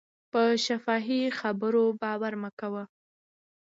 په شفاهي خبرو باور مه کوئ.